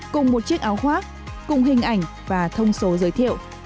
cùng một chiếc áo khoác cùng hình ảnh và thông số giới thiệu